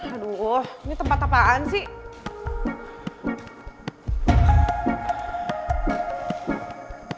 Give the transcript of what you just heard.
aduh ini tempat apaan sih